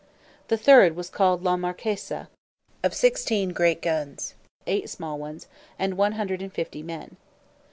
The third was called La Marquesa, of sixteen great guns, eight small ones, and one hundred and fifty men.